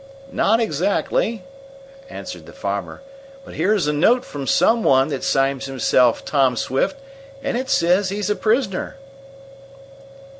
"Not exactly," answered the farmer; "but here's a note from some one that signs himself 'Tom Swift,' and it says he's a prisoner!"